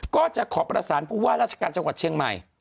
ก็จะขอประสานผู้ว่าราชการจังหวัดเชียงใหม่